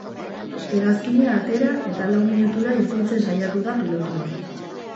Hegazkina atera eta lau minutura itzultzen saiatu da pilotua.